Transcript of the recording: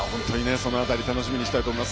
その辺り楽しみにしたいと思います。